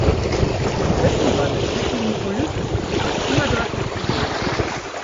Die Zwischenräume zwischen den Polypen sind immer deutlich zu sehen.